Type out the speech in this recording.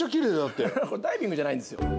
ダイビングじゃないんですよ。